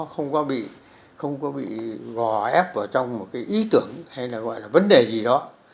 không có bị gò ép vào trong một cái ý tưởng hay là gọi là vấn đề gì đó